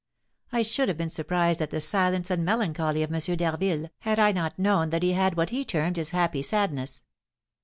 I should have been surprised at the silence and melancholy of M. d'Harville had I not known that he had what he termed his happy sadness.